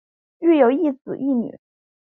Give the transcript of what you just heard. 育有一子一女。